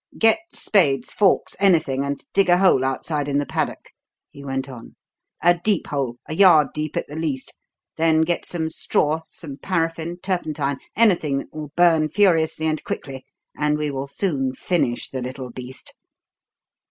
"Get spades, forks, anything, and dig a hole outside in the paddock," he went on. "A deep hole a yard deep at the least then get some straw, some paraffin, turpentine anything that will burn furiously and quickly and we will soon finish the little beast."